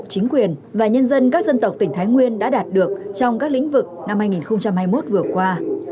chính quyền và nhân dân các dân tộc tỉnh thái nguyên đã đạt được trong các lĩnh vực năm hai nghìn hai mươi một vừa qua